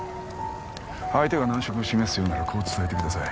相手が難色を示すようならこう伝えてください